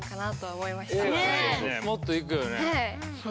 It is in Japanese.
もっといくよね。